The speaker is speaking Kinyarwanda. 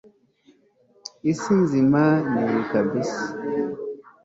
isi nzima niyi kabisa